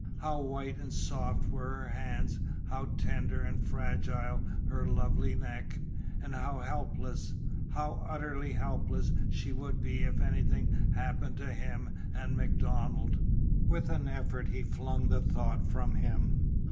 How white and soft were her hands, how tender and fragile her lovely neck! And how helpless how utterly helpless she would be if anything happened to him and MacDonald! With an effort he flung the thought from him.